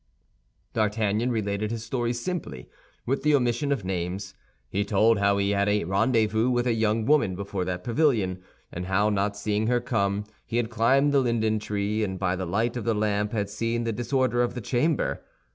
D'Artagnan related his story simply, with the omission of names. He told how he had a rendezvous with a young woman before that pavilion, and how, not seeing her come, he had climbed the linden tree, and by the light of the lamp had seen the disorder of the chamber.